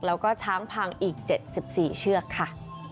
แล้วก็ช้างพังอีก๗๔เชือกค่ะ